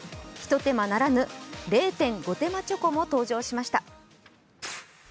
一手間ならぬ、０．５手間チョコも登場しました。